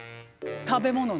食べ物の？